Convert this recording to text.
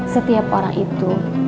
setiap orang itu